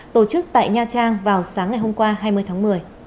tổ chức tại nha trang vào sáng ngày hôm qua hai mươi tháng một mươi